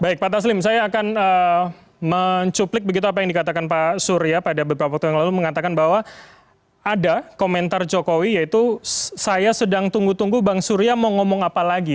baik pak taslim saya akan mencuplik begitu apa yang dikatakan pak surya pada beberapa waktu yang lalu mengatakan bahwa ada komentar jokowi yaitu saya sedang tunggu tunggu bang surya mau ngomong apa lagi